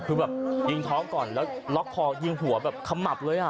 คือแบบยิงท้องก่อนแล้วล็อกคอยิงหัวแบบขมับเลยอ่ะ